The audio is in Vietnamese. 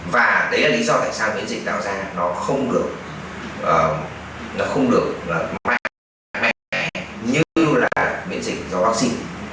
và đấy là lý do tại sao miễn dịch tạo ra nó không được mạnh mẽ như là miễn dịch do vaccine